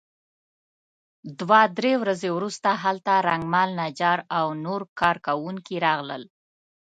دوه درې ورځې وروسته هلته رنګمال نجار او نور کار کوونکي راغلل.